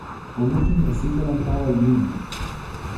o lukin e sitelen tawa Linja